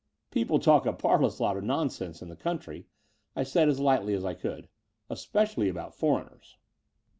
"People talk a parlous lot of nonsense in the country," I said as lightly as I could, "especially about foreigners."